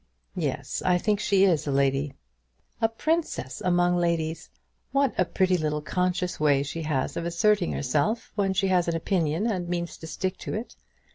"Yes; I think she is a lady." "A princess among ladies! What a pretty little conscious way she has of asserting herself when she has an opinion and means to stick to it!